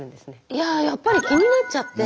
いやあやっぱり気になっちゃって。